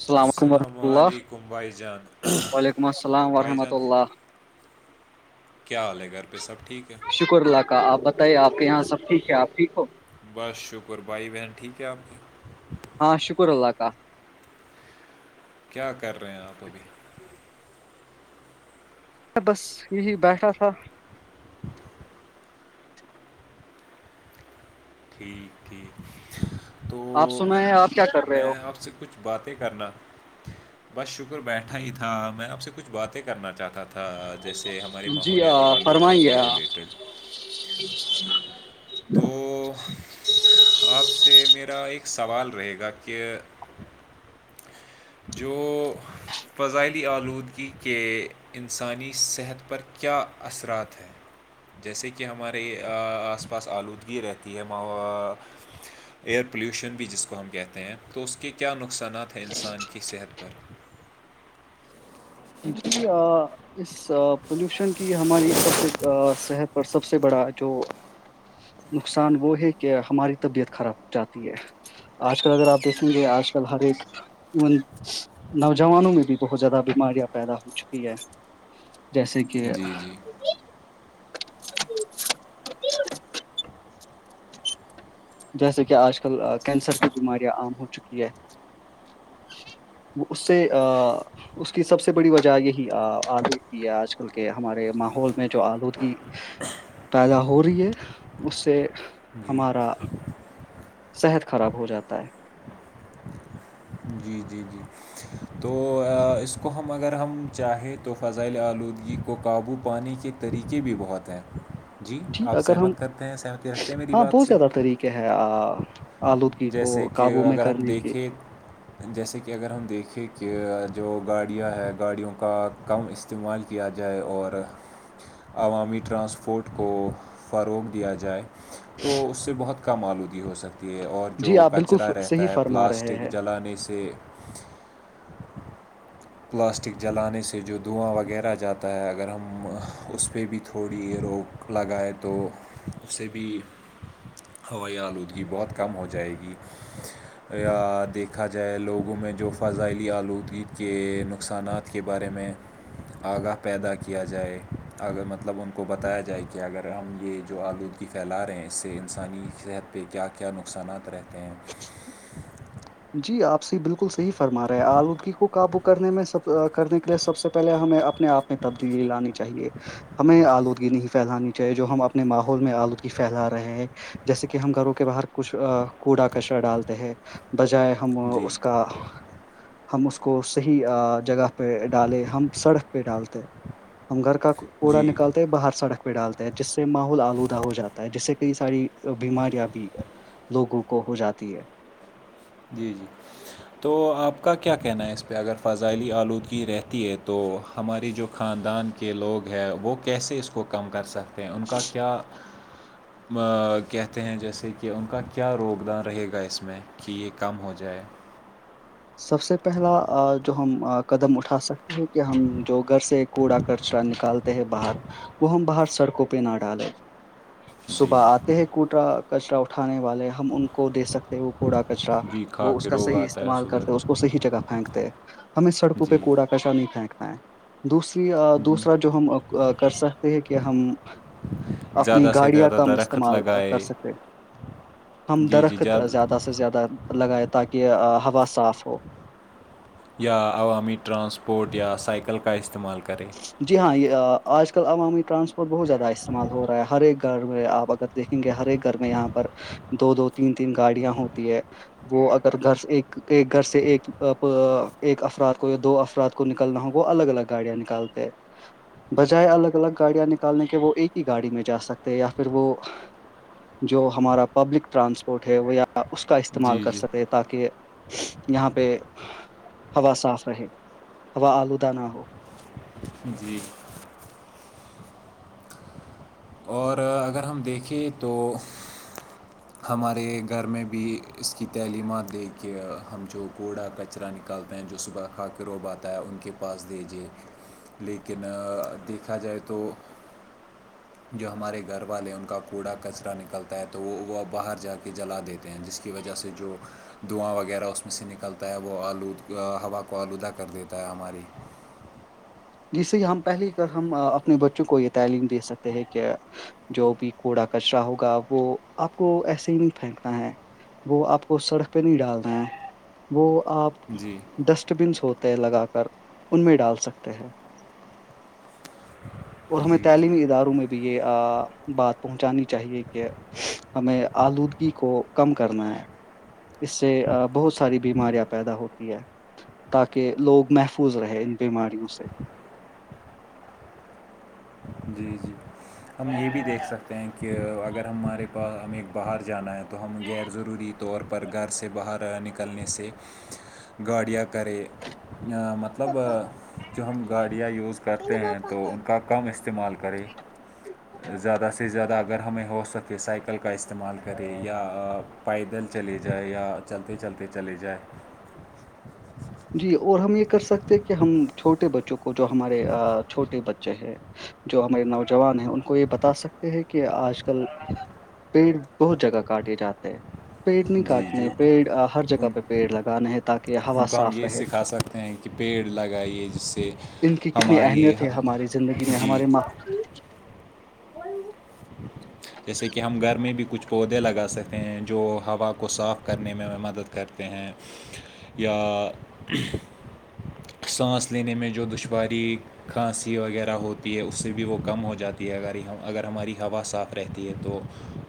السلام علیکم وورحمۃ اللہ علیکم بھائی جان وعلیکم السلام بھائی جان ورحمۃ اللہ کیا حال ہے گھر پہ سب ٹھیک ہے شکر اللہ کا آپ بتائیے آپ کے یہاں سب ٹھیک ہے آپ ٹھیک ہو بس شکر بھائی بہن ٹھیک ہے آپ ہاں شکر اللہ کا کیا کر رہے ہیں آپ ابھی میں بس یہی بیٹھا تھا ٹھیک ہے تو آپ سنیں آپ کیا کر رہے میں ہو آپ سے کچھ باتیں کرنا بس شکر بیٹھا ہی تھا میں آپ سے کچھ باتیں کرنا چاہتا تھا جیسے ہماری جی ماحولیاتی آ، آلودگی فرمائیے کے آپ۔ ریلیٹڈ [inaudible] تو آپ سے میرا ایک سوال رہے گا کہ جو فضائلی آلودگی کے انسانی صحت پر کیا اثرات ہیں جیسے کہ ہمارے آس پاس آلودگی رہتی ہے م ایئر پولیوشن بھی جس کو ہم کہتے ہیں تو اس کے کیا نقصانات ہیں انسان کی صحت پر جی اس پولوشن کی ہماری سب سے صحت اور سب سے بڑا جو نقصان وہ ہے کہ ہماری طبیعت خراب جاتی ہے آج کل اگر آپ دیکھیں گے آج کل ہر ایک ای نوجوانوں میں بھی بہت زیادہ بیماریاں پیدا ہو چکی ہے جیسے کہ جی جی جیسے کہ آج کل کینسر کی بیماریاں عام ہو چکی ہے [inaudible] وہ اس سے اس کی سب سے بڑی وجہ یہی آلودگی ہے آج کل کے ہمارے ماحول میں جو آلودگی پیدا ہو رہی ہے اس سے جی ہمارا صحت خراب ہو جاتا ہے جی جی جی تو اس کو ہم اگر ہم چاہیں تو فضائل آلودگی کو قابو پانے کے طریقے بھی بہت ہیں جی آپ اگر ہم سہمت کرتے ہیں سہمتی رکھتے ہیں میری بات سے کیا ہے آلودگی کو جیسے کہ قابو میں اگر ہم کرنے کی دیکھیں جیسے کہ اگر ہم دیکھیں کہ جو گاڑیاں ہے گاڑیوں کا کم استعمال کیا جائے اور عوامی ٹرانسپورٹ کو فروغ دیا جائے تو اس سے بہت کم آلودگی ہو سکتی ہے اور جی جو آپ بالکل کچرا رہتا صحیح ہے فرما رہے پلاسٹک ہیں جلانے سے پلاسٹک جلانے سے جو دھواں وغیرہ جاتا ہے اگر ہم اس پہ بھی تھوڑی یہ روک لگا ہے تو اس سے بھی ہوائی آلودگی بہت کم ہو جائے گی یا دیکھا جائے لوگوں میں جو فضائلی آلودگی کے نقصانات کے بارے میں آگاہ پیدا کیا جائے اگر مطلب ان کو بتایا جائے کہ اگر ہم یہ جو آلود کی پھیلا رہے ہیں اس سے انسانی صحت پہ کیا کیا نقصانات رہتے ہیں جی آپ سے بالکل صحی فرما رہے ہے آلودگی کو کا بک کرنے میں سب کرنے کے لیے سب سے پہلے ہمیں اپنے آپ میں تبدیلی لانی چاہیے ہمیں آلودگی نہیں پھیلانی چاہیے جو ہم اپنے ماحول میں آلودگی پھیلا رہے ہیں جیسے کہ ہم گھروں کے باہر کچھ کوڑا کچرا ڈالتے ہیں بجائے ہم جی اس کا ہم اس کو صحیح جگہ پہ ڈالے ہم سڑک پہ ڈالتے ہم گھر کا کوڑا جی نکالتے باہر سڑک پ ڈالتا ہے جس سے ماحول آلودہ ہو جاتا ہے جس سے کئی ساری بیماریاں بھی لوگوں کو ہو جاتی ہے جی جی تو آپ کا کیا کہنا ہے اس پہ اگر فضائلی آلودگی رہتی ہے تو ہماری جو خاندان کے لوگ ہیں وہ کیسے اس کو کم کر سکتے ہیں ان کا کیا کہتے ہیں جیسے کہ ان کا کیا روگ دان رہے گا اس میں کہ یہ کم ہو جائے سب سے پہلا جو ہم قدم اٹھا سکتے کہ ہم جو گھر سے کوڑا کچرا نکالتے ہے باہر وہ ہم باہر سڑکوں پہ نہ ڈالے جی صبح آتے ہیں کوٹرا کچرا اٹھانے والے ہم ان کو دے سکتے ہیں وہ کوڑا کچرا جی کھا وہ اس کے کا روگ صحیح آتا ہے استعمال کر صبح سے ہی جگہ پھینکتے ہیں ہمیں سڑکوں پہ جی کوڑا کشا نہیں پھینک پ ہے دوسری دوسرا جو ہم کر سکتے ہیں کہ ہم اپنی زیادہ سے گاڑیاں زیادہ کم درخت استعمال لگائے کر سکتے ہم جی جی درخت زیادہ سے زیادہ لگائے تاکہ ہوا صاف ہو یا عوامی ٹرانسپورٹ یا سائیکل کا استعمال کریں جی ہاں یہ آج کل عوامی ٹرانسپورٹ بہت زیادہ استعمال ہو رہا ہے ہر ایک گھر میں آپ اگر دیکھیں گے ہر ایک گھر میں یہاں پر دو دو تین تین گاڑیاں ہوتی ہے وہ اگر گھر سے ایک گھر سے ایک ایک افراد کو یا دو افراد کو کو نکلنا ہو وہ الگ الگ گاڑیاں نکالتے بجائے الگ الگ گاڑیاں نکالنے کے وہ ایک ہی گاڑی میں جا سکتے یا پھر وہ جو ہمارا پبلک ٹرانسپورٹ ہے وہ یا اس کا استعمال جی کر جی سکے تھ تاکہ یہاں پہ ہوا صاف رہے ہوا آلودہ نہ ہو جی اور اگر ہم دیکھیں تو ہمارے گھر میں بھی اس کی تعلیمات لے کے ہم جو کوڑا کچرا نک نکالتے ہیں جو صبح کھااک روب آتا ہے ان کے پاس دیجے لیکن دیکھا جائے تو جو ہمارے گھر والے ہیں ان کا کوڑا کچرا نکلتا ہے تو وہ وہ باہر جا کے جلا دیتے جس کی وجہ سے جو دھواں وغیرہ اس میں سے نکلتا ہے وہ آلود ہوا کو آلودہ کر دیتا ہے ہماری جیسے ہم پہلی کار ہم اپنے بچوں کو یہ تعلیم دے سکتے ہیں کہ جو بھی کوڑا کچرا ہوگا وہ آپ کو ایسے ہی نہیں پھینکتا ہے وہ آپ کو سڑک پہ نہیں ڈالتے ہیں وہ آپ جی ڈسٹ بنس ہوتے لگا کر ان میں ڈال سکتے ہیں اور ہمیں جی جی تعلیمی اداروں میں بھی یہ بات پہنچانی چاہیے کہ ہمیں آلودگی کو کم کرنا ہے اس سے بہت ساری بیماریاں پیدا ہوتی ہے تاکہ لوگ محفوظ رہے ان بیماریوں سے جی جی ہم یہ بھی دیکھ سکتے ہیں کہ اگر ہمارے پاس ہمیں باہر جانا ہے تو ہم غیر ضروری طور پر گھر سے باہر نکلنے سے گاڑیاں کرے مطلب مطلب جو ہم گاڑیاں یوز کرتے ہیں تو ان کا کم استعمال کریں زیادہ سے زیادہ اگر ہمیں ہو سکے سائیکل کا استعمال کرے یا پیدل چلیے جائے یا چلتے چلتے چلی جائے جی اور ہم یہ کر سکتے ہیں کہ ہم چھوٹے بچوں کو جو ہمارے چھوٹے بچے ہیں جو ہمارے نوجوان ہیں ان کو یہ بتا سکتے ہیں کہ آج کل پیڑ بہت جگہ کاٹے جاتے پیڑ نہیں جی کاٹنے جی پیڑ ہر جگہ ان پہ پیڑ لگانے ہیں تاکہ ان ہوا کو ہم صاف یہ رہے سکھا سکتے ہیں کہ پیڑ لگائیے جس سے ان کی کتنی ہماری اہمیت ہے ہماری زندگی جی [inaudible] [inaudible] جیسے کہ ہم گھر میں بھی کچھ پودے لگا سکتے ہیں جو ہوا کو صاف کرنے میں ہم مدد کرتے ہیں یا سانس لینے میں جو دشواری کھانسی وغیرہ ہوتی ہے اس سے بھی وہ کم ہو جاتی ہے ا اگر ہماری ہوا صاف رہتی ہے تو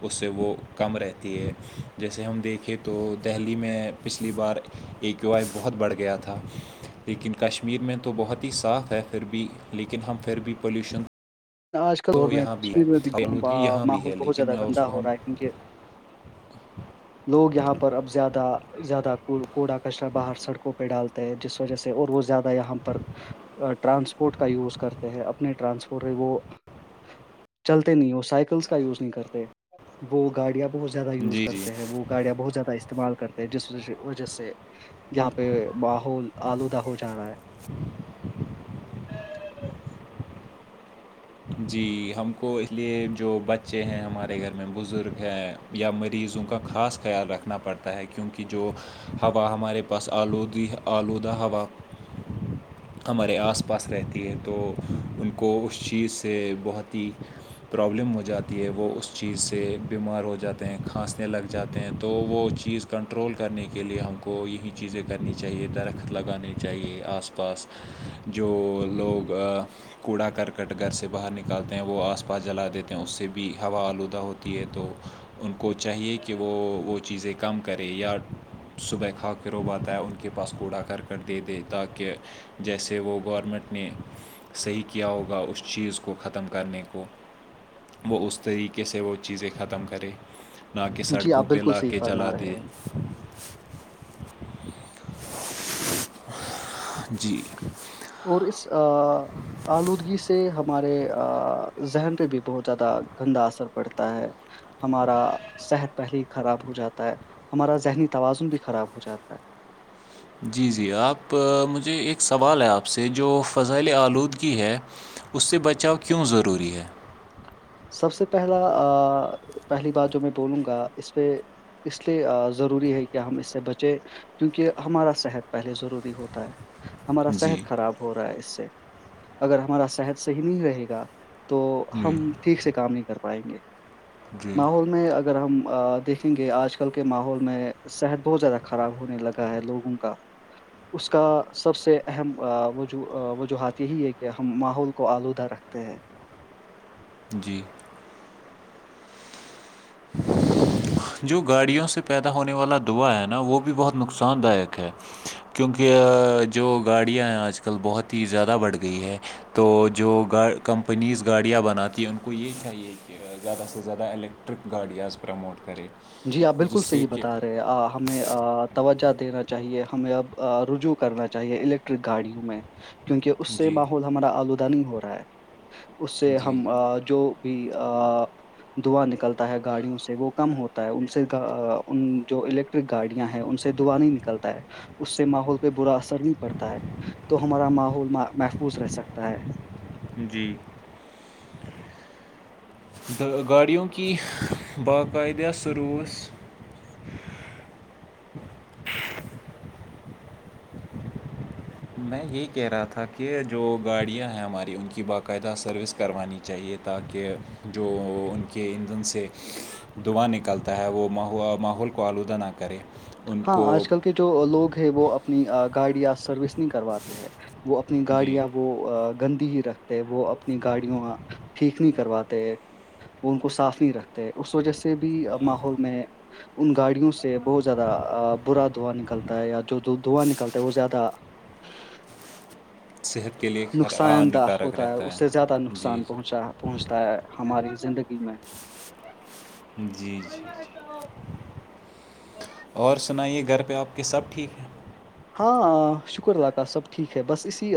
اس سے وہ کم رہتی ہے جیسے ہم دیکھیں تو دہلی میں پچھلی بار اے کیو آئی بہت بڑھ گیا تھا لیکن کشمیر میں تو بہت ہی صاف ہے پھر بھی لیکن ہم پھر بھی پولیوشن آج کل تو دور میں یہاں بھی ہے کشمیر میں بہت- آلودگی آ، یہاں بھی ماحول ہے بہت لیکن زیادہ اس گندا کو ہو ہم رہا ہے کیونکہ لوگ یہاں پر اب زیادہ زیادہ کوڑا کچر باہر سڑکوں پہ ڈالتے جس وجہ سے اور وہہ زیادہ یہاں پر ٹرانسپورٹ کا یوز کرتے ہیں اپنے ٹرانسپورٹ وہ چلتے نہیں وہ سائیکلس کا یوز نہیں کرتے وہ گاڑیاں بہت زیادہ یوز جی جی کرتے ہیں وہ گاڑیاں بہت زیادہ استعمال کرتے ہیں جس وجہ سے یہاں پہ ماحول آلودہ ہو جا رہا ہے [inaudible] جی ہم کو اس لیے جو بچے ہیں ہمارے گھر میں بزرگ ہیں یا مریضوں کا خاص خیال رکھنا پڑتا ہے کیونکہ جو ہوا ہمارے پاس آلودی آلودہ ہوا ہمارے آس پاس رہتی ہیں تو ان کو ا چیز سے سے بہت ہی پرابلم ہو جاتی ہے وہ اس چیز سے بیمار ہو جاتے ہیں کھانسنے لگ جاتے ہیں تو وہ چیز کنٹرول کرنے کے لیے ہم کو یہی چیزیں کرنی چاہیے درخت لگانے چاہیے آس پاس جو لوگ کوڑا کرکٹ گر سے سے باہر نکالتے ہیں وہ آس پاس جلا دیتے ہیں اس سے بھی ہوا آلودہ ہوتی ہے تو ان کو چاہیے کہ وہ چیزیں- کم کرے یا صبح کھااک ر ہوب آ ہے ان کے پاس کوڑا کر کر دے دے تاکہ جیسے وہ گورنمنٹ نے صحیح کیا ہوگا اس چیز کو- اس کو ختم کرنے کو وہ اس طریقے سے وہ چیزیں ختم کرے- نہ کہ ہے جی سڑکوں آپ پہ بالکل لا صحیح کے جلا فرما رہے دے ہیں جی اور اس آلودگی سے ہمارے ذہن پہ بھی بہت زیادہ گندا اثر پڑتا ہے- ہمارا صحت پہلے ہی خراب ہو جاتا ہے ہمارا ذہنی توازن بھی خراب ہو جاتا ہے- جی- جی آپ مجھے ایک سوال ہے آپ سے جو فضائل آلودگی ہے- اس سے بچاؤ کیوں ضروری ہے سب سے پہلا پہلی بات جو میں بولوں گا اس پہ- اس لیے ضروری ہے کہ ہم اس سے بچیں- کیونکہ ہمارا صحت پہلے ضروری ہوتا ہے ہمارا جی صحت خراب ہو رہا ہے اس سے اگر ہمارا صحت صحیح نہیں رہے گا- تو جی ہم ٹھیک سے کام نہیں کر پائیں گے جی ماحول میں ا اگر ہم دیکھیں گے آج کل کے ماحول میں صحت بہت زیادہ خراب ہونے لگا ہے لوگوں کا اس کا سب سے اہمج وجوہات یہی ہے کہ ہم ماحول- کو آلودہ رکھتے ہیں- جی- [unintelligible] جو گاڑیوں سے پیدا ہونے والا دعا ہے نا وہ بھی بہت نقصان دایک ہے کیونکہ جو گاڑیاں ہیں آج کل بہت ہی زیادہ بڑھ گئی ہے- تو جو گا کمپنیز گاڑیاں بناتی ہیں ان کو یہ چاہیے کہ زیادہ سے زیادہ ال- ٹرپ گاڑی آز پ پرموٹ کرے جی آپ جس بالکل سے صحیح کہ بتا رہے آ ہمیں توجہ دینا چاہیے ہمیں اب رجوع کرنا چاہیے الیکٹرک گاڑیوں میں- کیونکہ اس سے جی ماحول ہمارا آلودہ نہیں ہو رہا ہے اس سے جی ہم جو- بھی دعا نکلتا ہے گاڑیوں سے وہ کم ہوتا- ان سے ان جو الیکٹرک گاڑیاں ہیں ان سے دعا نہیں نکلتا ہے- اس سے ماحول پہ برا اثر نہیں پڑتا ہے تو ہمارا ماحول محفوظ رہ سکتا ہے- جی- گاڑیوں کی باقاعدہ سروس- میں یہی کہہ رہا تھا کہ جو گاڑیاں ہیں ہماری ان کی باقاعدہ سروس کروانی چاہیے تھی- تاکہ جو ان کے ایندھن سے دعاں نکلتا ہے وہ ماحول کو آلودہ نہ کرے- ان ہاں کو آج کل کے جو لوگ ہیں وہ اپنی گاڑیاں سروس نہیں کرواتے ہیں- وہ اپنی جی گاڑیاں وہ گندی ہی رکھتے ہے وہ اپنی گاڑیوں ٹھیک نہیں کرواتے وہ ان کو صاف نہیں رکھتے- اس وجہ سے بھی ماحول میں ان گاڑیوں سے بہت زیادہ- برا دھواں نکلتا ہے یا جو دھواں نکلتا ہے وہ زیادہ- صحت کے لیے نقصان دہ ہانیکارک ہوتا ہے رہتا اس سے زیادہ ہے جی نقصان جی پہنچا- پہنچتا ہے ہماری زندگی میں- جی- جی- جی اور سنائیے گھر پہ آپ کے سب ٹھیک ہیں- ہاں شکرداکاہ سب ٹھیک ہے بس اسی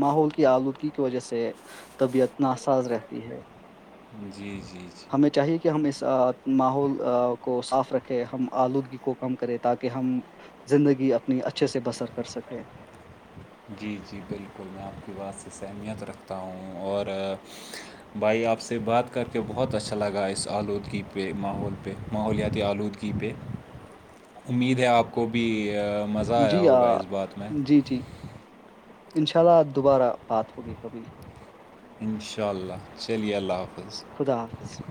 ماحول کی آلودگی کی وجہ سے- طبیعت ناساز رہتی ہے- جی- جی- جی ہمیں چاہیے کہ ہم اس ماحول کو صاف رکھیں ہم آلودگی کو کم کریں تاکہ ہم- زندگی اپنی اچھے سے بسر کر سکے جی جی بالکل میں آپ کی بات سے اہمیت رکھتا ہوں اور بھائی آپ سے بات کر کے بہت اچھا لگا اس آلودگی پہ ماحول پہ ماحولیاتی آلودگی اس جی پہ امید ہے آپ کو بھی مزہ آیا جی آ، ہوگا اس بات میں جی جی انشاء اللہ دوبارہ بات ہوگی کبھی انشاء اللہ چلیے اللہ حافظ خدا حافظ